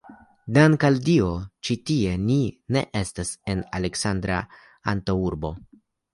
Dank' al Dio, ĉi tie ni ne estas en Aleksandra antaŭurbo!